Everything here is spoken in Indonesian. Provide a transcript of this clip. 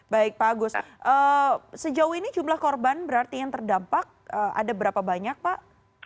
baik pak agus sejauh ini jumlah korban berarti yang terdampak ada berapa banyak pak